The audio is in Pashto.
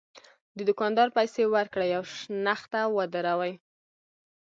د دوکاندار پیسې ورکړي او شنخته ودروي.